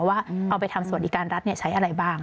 ว่าเอาไปทำสวัสดิการรัฐใช้อะไรบ้าง